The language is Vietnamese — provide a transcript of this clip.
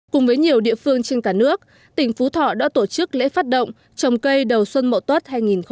cùng với nhiều địa phương trên cả nước tỉnh phú thọ đã tổ chức lễ phát động trồng cây đầu xuân mậu tốt hai nghìn một mươi tám